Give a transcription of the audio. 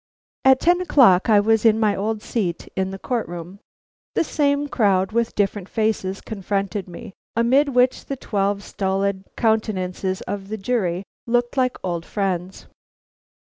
At ten o'clock I was in my old seat in the court room. The same crowd with different faces confronted me, amid which the twelve stolid countenances of the jury looked like old friends.